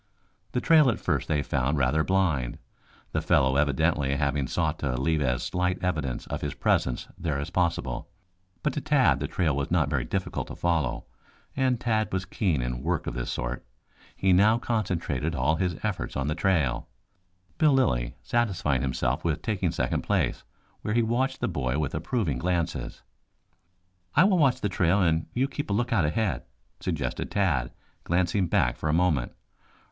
The trail at first they found rather blind, the fellow evidently having sought to leave as slight evidence of his presence there as possible, but to Tad the trail was not very difficult to follow, and Tad was keen in work of this sort. He now concentrated all his efforts on the trail, Bill Lilly satisfying himself with taking second place, where he watched the boy with approving glances. "I will watch the trail and you keep a lookout ahead," suggested Tad, glancing back for a moment.